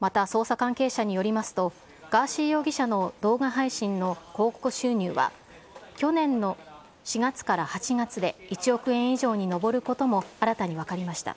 また捜査関係者によりますと、ガーシー容疑者の動画配信の広告収入は、去年の４月から８月で１億円以上に上ることも新たに分かりました。